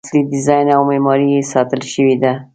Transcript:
اصلي ډیزاین او معماري یې ساتل شوې ده.